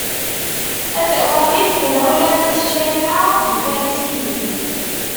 A tawaɣit n Lɛulama n ccariɛa akked Ifarisiyen.